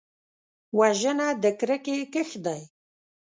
وژنه د کرکې کښت دی